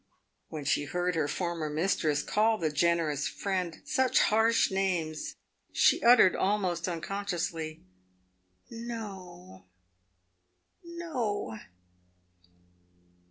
"When she heard her former mistress call the generous friend such harsh names, she uttered almost unconsciously, " No! no